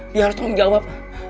dia harus tanggung jawab